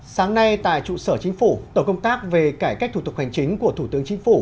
sáng nay tại trụ sở chính phủ tổ công tác về cải cách thủ tục hành chính của thủ tướng chính phủ